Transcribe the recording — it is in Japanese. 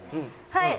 はい。